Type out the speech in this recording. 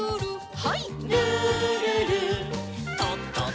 はい。